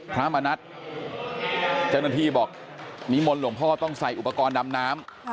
พระมณัฐเจ้าหน้าที่บอกนิมนต์หลวงพ่อต้องใส่อุปกรณ์ดำน้ำ